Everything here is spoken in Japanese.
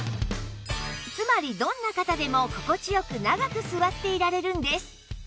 つまりどんな方でも心地良く長く座っていられるんです